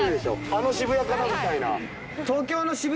あの渋谷かなみたいな。